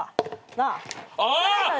なあ？